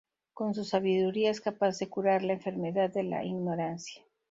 Con su sabiduría es capaz de curar la enfermedad de la ignorancia.